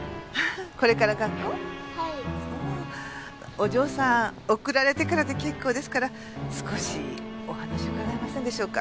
お嬢さん送られてからで結構ですから少しお話伺えませんでしょうか？